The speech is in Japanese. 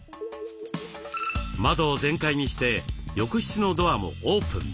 窓を全開にして浴室のドアもオープン。